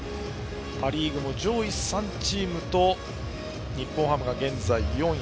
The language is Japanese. パ・リーグも上位３チームと日本ハムが現在４位。